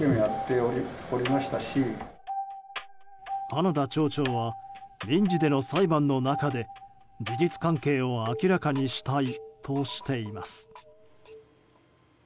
花田町長は民事での裁判の中で事実関係を明らかにしたいとしています。